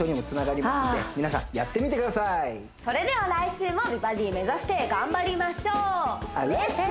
ぜひそれでは来週も美バディ目指して頑張りましょうレッツ！